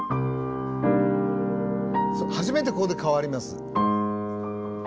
初めてここで変わります。